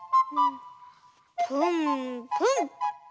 プンプン。